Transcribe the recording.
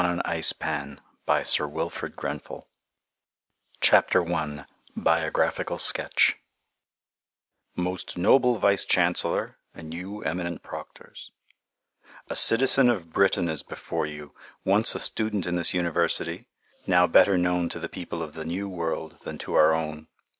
ANTHONY'S HOSPITAL, NEWFOUNDLAND 54 BIOGRAPHICAL SKETCH "MOST NOBLE VICE CHANCELLOR, AND YOU, EMINENT PROCTORS: "A citizen of Britain is before you, once a student in this University, now better known to the people of the New World than to our own.